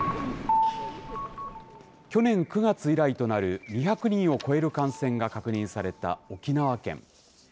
去年９月以来となる２００人を超える感染が確認された沖縄県。